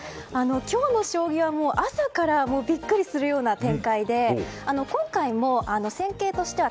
今日の将棋は朝からビックリするような展開で今回も戦型としては